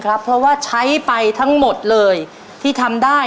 เพราะว่าใช้ไปทั้งหมดเลยที่ทำได้